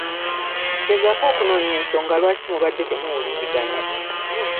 Gezaako okunoonya ensonga lwaki mubadde temuwuliziganya.